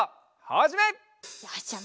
よしじゃあ